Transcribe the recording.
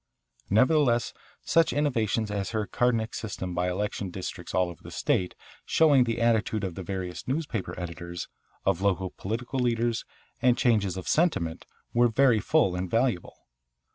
Nevertheless such innovations as her card index system by election districts all over the state, showing the attitude of the various newspaper editors, of local political leaders, and changes of sentiment, were very full and valuable.